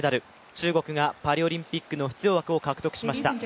中国がパリオリンピックの出場枠を獲得しました。